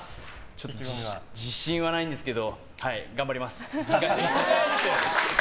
ちょっと自信はないんですけど頑張ります！